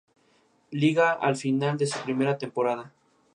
Las pechinas representan los atributos del santo.